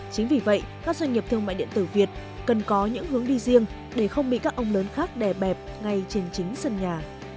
chính vì vậy các doanh nghiệp thương mại điện tử việt cần có những hướng đi riêng để không bị các ông lớn khác đè bẹp ngay trên chính sân nhà